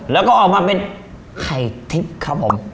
แล้วก็ออกมาเป็นไข่ทิพย์ครับผม